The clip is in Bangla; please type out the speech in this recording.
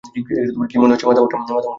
কী মনে হচ্ছে, মাথামোটা?